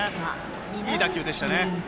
いい打球でしたね。